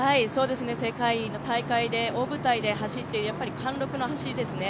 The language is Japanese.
世界の大会で大舞台で走って、やはり貫禄の走りですね。